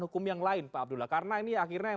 hukum yang lain pak abdullah karena ini akhirnya